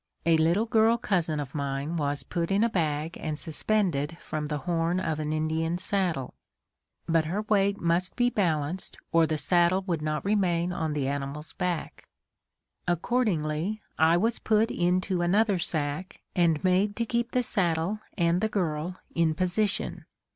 A little girl cousin of mine was put in a bag and suspended from the horn of an Indian saddle; but her weight must be balanced or the saddle would not remain on the animal's back. Accordingly, I was put into another sack and made to keep the saddle and the girl in position!